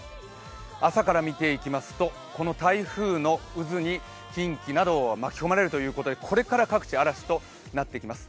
朝から見ていきますと、台風の渦に近畿などが巻き込まれるということで、これから各地、嵐となっていきます。